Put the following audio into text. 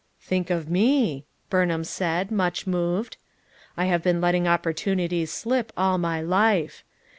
"Think of me!" Burnham said, much moved. "I have been letting opportunities slip, all my life.